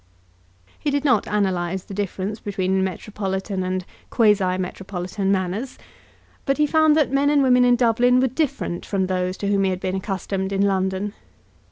He did not analyse the difference between metropolitan and quasi metropolitan manners; but he found that men and women in Dublin were different from those to whom he had been accustomed in London.